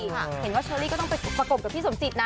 เห็นว่าเชอรี่ก็ต้องไปประกบกับพี่สมจิตนะ